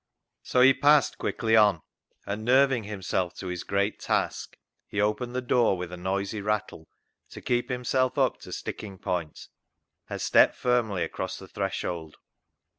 So he passed quickly on, and nerving himself to his great task, he opened the door with a noisy rattle, to keep himself up to sticking point, and stepped firmly across^the threshold.